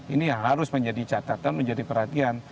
ini yang harus menjadi catatan menjadi perhatian